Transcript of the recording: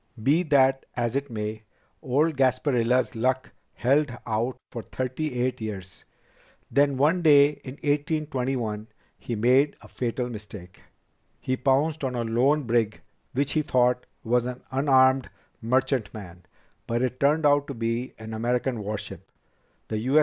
"Be that as it may, old Gasparilla's luck held out for thirty eight years. Then, one day in 1821, he made a fatal mistake. He pounced on a lone brig which he thought was an unarmed merchantman, but it turned out to be an American warship, the U.